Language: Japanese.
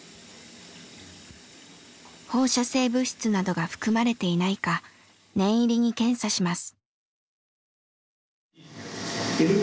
放射性物質などが含まれていないか念入りに検査します。